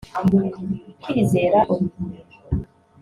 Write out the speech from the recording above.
Kwizera Olivier